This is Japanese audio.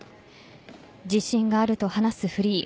自信があると話すフリー。